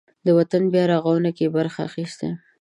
د وطن په بیارغاونه کې یې برخه اخیستې ده.